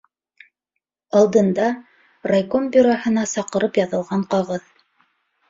Алдында - райком бюроһына саҡырып яҙылған ҡағыҙ.